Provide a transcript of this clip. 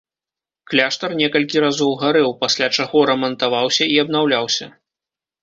Кляштар некалькі разоў гарэў, пасля чаго рамантаваўся і абнаўляўся.